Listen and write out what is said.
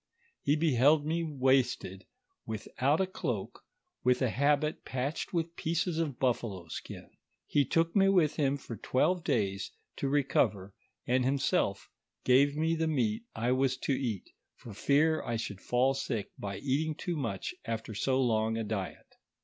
He beheld me wasted, without a cloak, with a habit patched with pieces of buffalo skin. He took me with him for twelve days to re cover, and himself gave me the meat I was to eat, for fear I should fall sick by eating too much after so long a diet.